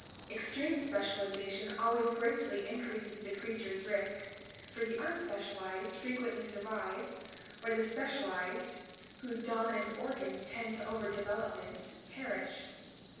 Extreme specialization always greatly increases the creature's risk, for the unspecialized frequently survive where the specialized, whose dominant organs tend to over development, perish.